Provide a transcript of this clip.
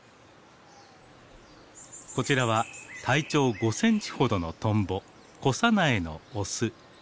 こちらは体長５センチほどのトンボコサナエのオス。